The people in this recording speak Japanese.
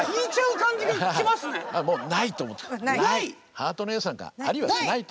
ハートのエースなんかありはしないと。